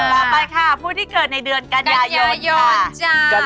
ต่อไปค่ะผู้ที่เกิดในเดือนกันยายนจ้า